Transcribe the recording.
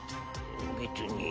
別に。